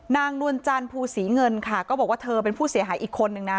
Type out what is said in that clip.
นวลจันทร์ภูศรีเงินค่ะก็บอกว่าเธอเป็นผู้เสียหายอีกคนนึงนะ